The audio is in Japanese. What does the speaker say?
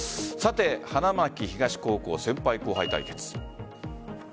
花巻東高校、先輩後輩対決。